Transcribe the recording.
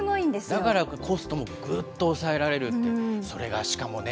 だからコストもぐっと抑えられるって、それがしかもね、